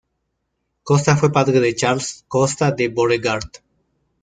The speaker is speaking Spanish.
Costa fue padre de Charles Costa de Beauregard.